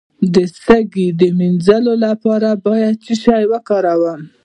د سږو د مینځلو لپاره باید څه شی وکاروم؟